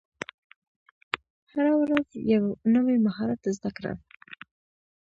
هره ورځ یو نوی مهارت زده کړه.